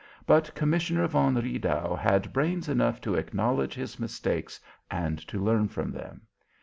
But Commissioner von Riedau had brains enough to acknowledge his mistakes and to learn from them.